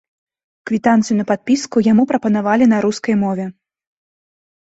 Квітанцыю на падпіску яму прапанавалі на рускай мове.